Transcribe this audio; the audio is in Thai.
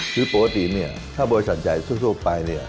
คือปกติเนี่ยถ้าบริษัทใหญ่ทั่วไปเนี่ย